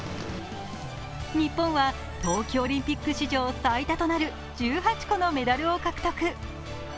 日本は冬季オリンピック史上最多となる１８個のメダルを獲得。